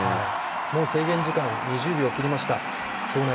もう制限時間２０秒、切りました。